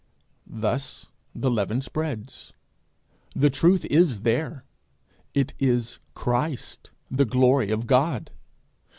Thus the leaven spreads. The truth is there. It is Christ the glory of God.